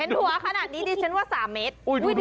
หัวขนาดนี้ดิฉันว่า๓เมตร